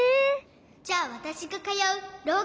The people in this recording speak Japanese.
じゃあわたしがかようろう